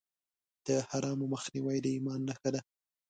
د حرامو مخنیوی د ایمان نښه ده.